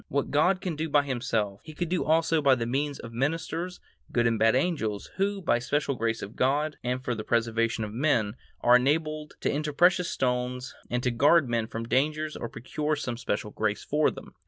What God can do by Himself, He could do also by means of ministers, good and bad angels, who, by special grace of God and for the preservation of men, are enabled to enter precious stones and to guard men from dangers or procure some special grace for them.